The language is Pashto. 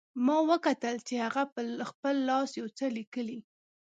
ما وکتل چې هغه په خپل لاس یو څه لیکي